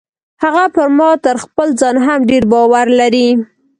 هغه پر ما تر خپل ځان هم ډیر باور لري.